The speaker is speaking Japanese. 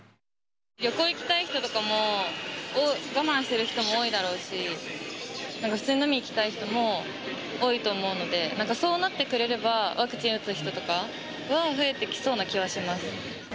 旅行行きたい人とかも我慢している人も多いだろうし、普通に飲みに行きたい人も多いと思うので、なんかそうなってくれれば、ワクチン打つ人とかは増えてきそうな気はします。